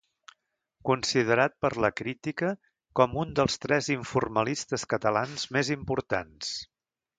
Considerat per la crítica com un dels tres informalistes catalans més importants.